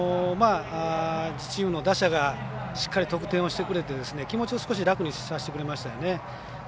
チームの打者がしっかり得点してくれて気持ちを少し楽にさせてくれましたよね。